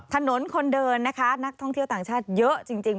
ถนนคนเดินนะคะนักท่องเที่ยวต่างชาติเยอะจริง